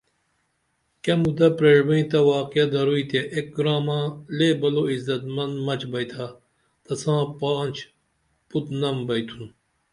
کیہ مدہ پریڜبئں تہ واقعہ دروئی تے ایک گرامہ لے بلو عزت من مچ بیئتھا تساں پانچ پُترنم بیئتُھن